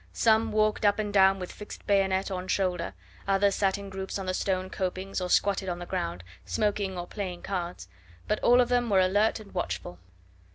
Some walked up and down with fixed bayonet on shoulder, others sat in groups on the stone copings or squatted on the ground, smoking or playing cards, but all of them were alert and watchful.